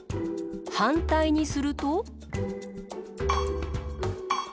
はんたいにすると？